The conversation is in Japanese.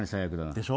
でしょ。